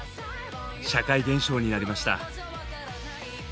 社会現象になりました。